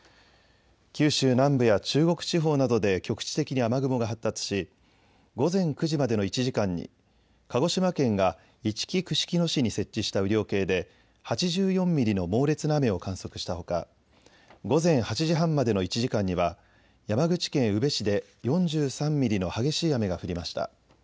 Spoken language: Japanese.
九州南部や中国地方などで局地的に雨雲が発達し午前９時までの１時間に鹿児島県がいちき串木野市に設置した雨量計で８４ミリの猛烈な雨を観測したほか午前８時半までの１時間には山口県宇部市で４３ミリの激しい雨が降りました。